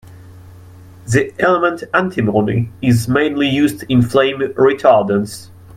The element antimony is mainly used in flame retardants.